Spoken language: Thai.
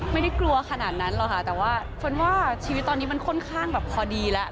ไม่ได้กลัวขนาดนั้นหรอกค่ะแต่ว่าเฟิร์นว่าชีวิตตอนนี้มันค่อนข้างแบบพอดีแล้ว